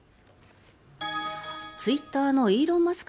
ツイッターのイーロン・マスク